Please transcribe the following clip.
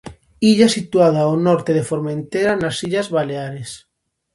Illa situada ao norte de Formentera, nas Illas Baleares.